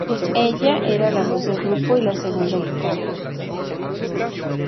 Ella era la voz del grupo y la segunda guitarra.